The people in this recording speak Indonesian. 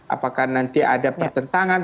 apakah nanti ada pertentangan